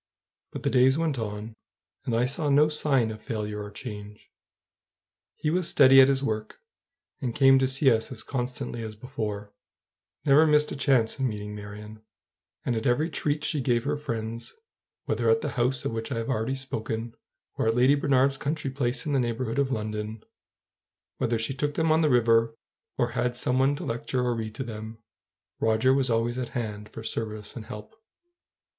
But the days went on, and I saw no sign of failure or change. He was steady at his work, and came to see us as constantly as before; never missed a chance of meeting Marion: and at every treat she gave her friends, whether at the house of which I have already spoken, or at Lady Bernard's country place in the neighborhood of London, whether she took them on the river, or had some one to lecture or read to them, Roger was always at hand for service and help.